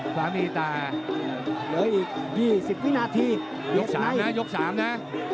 ความเมตตาเหลืออีก๒๐วินาทียก๓นะยก๓นะ